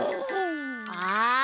あ！